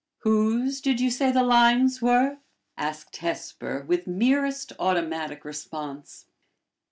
'" "Whose did you say the lines were?" asked Hesper, with merest automatic response.